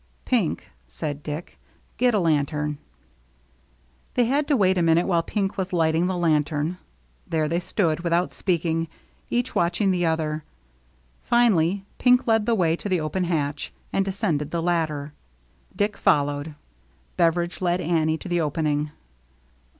" Pink," said Dick, " get a lantern." They had to wait a minute, while Pink was lighting the lantern. There they stood, with out speaking, each watching the other. Finally Pink led the way to the open hatch, and de scended the ladder. Dick followed. Bever idge led Annie to the opening.